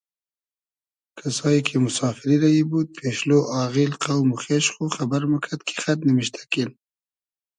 کئسایی کی موسافیری رئیی بود پېشلۉ آغیل قۆم و خېش خو خئبئر موکئد کی خئد نیمشتۂ کین